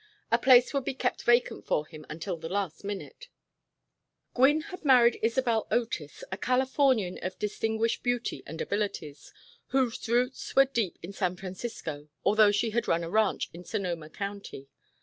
A place would be kept vacant for him until the last minute. Gwynne had married Isabel Otis[A], a Californian of distinguished beauty and abilities, whose roots were deep in San Francisco, although she had "run a ranch" in Sonoma County.